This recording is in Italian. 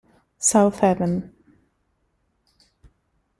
South Haven